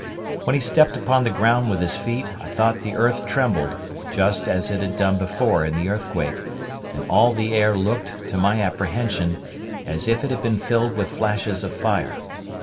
When he stepped upon the ground with his feet, I thought the earth trembled, just as it had done before in the earthquake, and all the air looked, to my apprehension, as if it had been filled with flashes of fire.